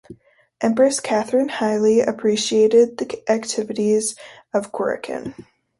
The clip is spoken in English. Empress Catherine highly appreciated the activities of Kurakin.